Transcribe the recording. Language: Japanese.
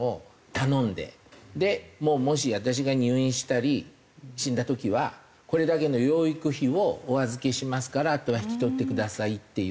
もし私が入院したり死んだ時はこれだけの養育費をお預けしますからあとは引き取ってくださいっていう。